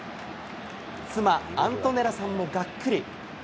妻、アントネラさんもがっくり。